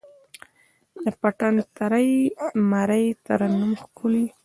د پتڼ ترۍ، مرۍ ترنم ښکلی